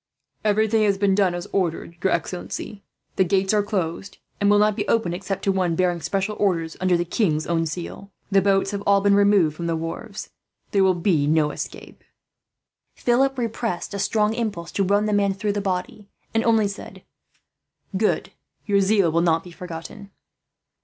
"Everything has been done as ordered, your excellency. The gates are closed, and will not be opened except to one bearing special orders, under the king's own seal. The boats have all been removed from the wharves. There will be no escape." Philip repressed a strong impulse to run the man through the body, and only said: "Good. Your zeal will not be forgotten."